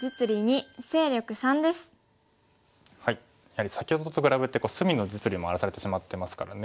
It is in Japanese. やはり先ほどと比べて隅の実利も荒らされてしまってますからね。